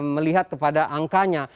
melihat kepada angkanya